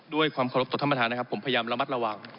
ด้วยความขอบคลบต่อธรรมฐานนะครับผมพยายามระมัดระวัง